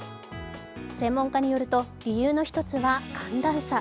専門家によると理由の１つは寒暖差。